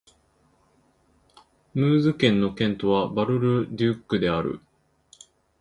ムーズ県の県都はバル＝ル＝デュックである